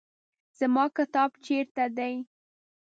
زما کتاب چیرته دی؟